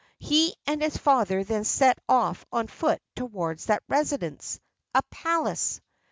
He and his father then set off on foot towards that residence a palace!